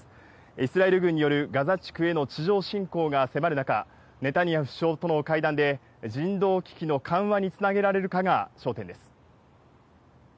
イスラエル軍によるガザ地区への地上侵攻が迫る中、ネタニヤフ首相との会談で、人道危機の緩和につなげられるかが焦点です。